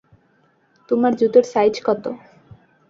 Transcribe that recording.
তোমার জুতোর সাইজ কত?